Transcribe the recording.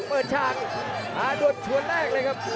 เปิดฉากโดดชวนแรกเลยครับ